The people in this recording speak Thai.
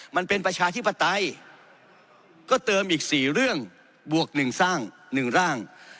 ประชาธิปไตยก็เติมอีก๔เรื่องบวก๑สร้าง๑ร่าง